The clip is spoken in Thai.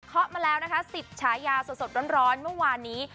เขามาแล้วนะคะ๑๐ฉายาสดร้อนเมื่อวานนี้